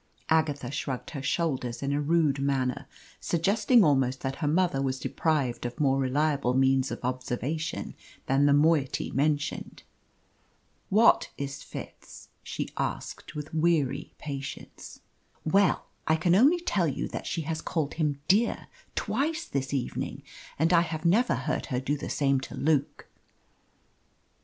Agatha shrugged her shoulders in a rude manner, suggesting almost that her mother was deprived of more reliable means of observation than the moiety mentioned. "What is Fitz?" she asked, with weary patience. "Well, I can only tell you that she has called him 'dear' twice this evening, and I have never heard her do the same to Luke."